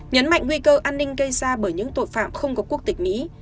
nhấn mạnh nguy cơ an ninh cây xa bởi những tội phạm không có quốc tịch mỹ